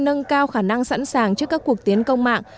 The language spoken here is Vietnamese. nâng cao khả năng sẵn sàng trước các cuộc tiến công mạng